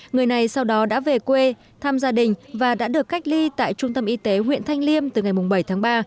người này sau đó đã về quê thăm gia đình và đã được cách ly tại trung tâm y tế huyện thanh liêm từ ngày bảy tháng ba